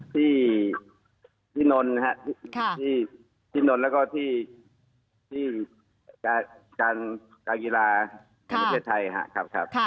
ที่ที่นนท์ฮะค่ะที่ที่นนท์แล้วก็ที่ที่การกากีฬาครับครับครับ